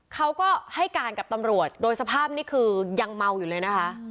เขาก็ให้การกับตำรวจโดยสภาพนี่คือยังเมาอยู่เลยนะคะ